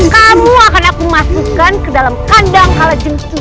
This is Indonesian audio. kamu akan aku masukkan ke dalam kandang kalajengku